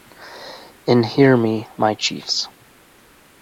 In Hear Me, My Chiefs!